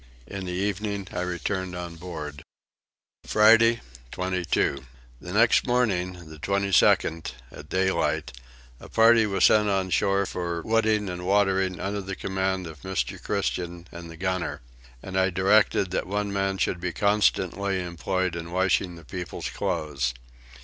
In the evening I returned on board. Friday 22. The next morning, the 22nd, at daylight, a party was sent on shore for wooding and watering under the command of Mr. Christian and the gunner; and I directed that one man should be constantly employed in washing the people's clothes.